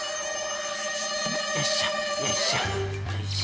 よいしょよいしょよいしょ。